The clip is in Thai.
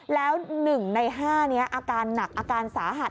แล้ว๑ใน๕นี้อาการหนักอาการสาหัส